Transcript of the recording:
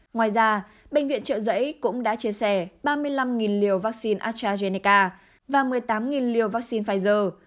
ngoài ra bệnh viện trợ giấy cũng đã chia sẻ ba mươi năm liều vaccine astrazeneca và một mươi tám liều vaccine pfizer